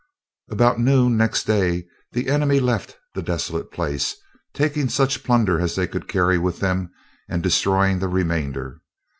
About noon next day, the enemy left the desolate place, taking such plunder as they could carry with them and destroying the remainder.